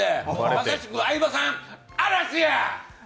まさしく相葉さん、嵐や！